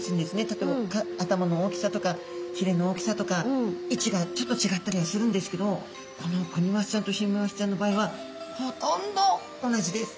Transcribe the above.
例えば頭の大きさとかひれの大きさとか位置がちょっと違ったりはするんですけどこのクニマスちゃんとヒメマスちゃんの場合はほとんど同じです。